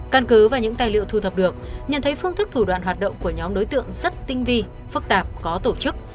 căn cứ và những tài liệu thu thập được nhận thấy phương thức thủ đoạn hoạt động của nhóm đối tượng rất tinh vi phức tạp có tổ chức